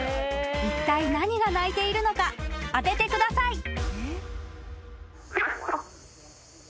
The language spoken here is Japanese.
［いったい何が鳴いているのか当ててください］